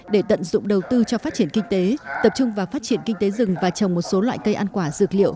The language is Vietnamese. để tận dụng đầu tư cho phát triển kinh tế tập trung vào phát triển kinh tế rừng và trồng một số loại cây ăn quả dược liệu